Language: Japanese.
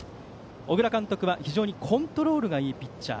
小倉監督は、非常にコントロールがいいピッチャー。